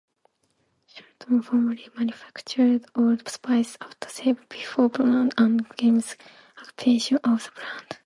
Shultons formerly manufactured Old Spice aftershave before Procter and Gamble's acquisition of the brand.